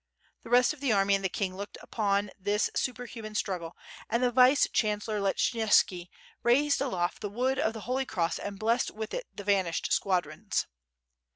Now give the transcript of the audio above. The rest of the army and the king looked en upon this superhuman struggle, and the vice chancellor Leshchynski raised aloft the wood of the Holy Cross and blessed with it th€ vanished squadrons.